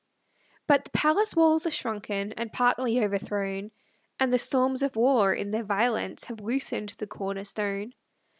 But the palace walls are shrunken, And partly overthrown, And the storms of war, in their violence, Have loosened the corner stone.